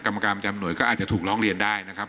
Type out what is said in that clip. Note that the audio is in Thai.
กรรมการประจำหน่วยก็อาจจะถูกร้องเรียนได้นะครับ